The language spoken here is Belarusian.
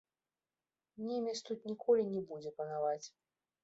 Немец тут ніколі не будзе панаваць.